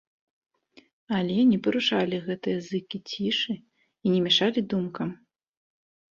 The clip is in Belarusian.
Але не парушалі гэтыя зыкі цішы і не мяшалі думкам.